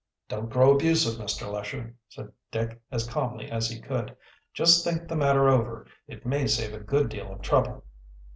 "Don't grow abusive, Mr. Lesher," said Dick as calmly as he could. "Just think the matter over. It may save a good deal of trouble."